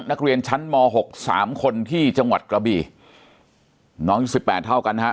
นักเรียนชั้นม๖สามคนที่จังหวัดกระบีน้อง๑๘เท่ากันฮะ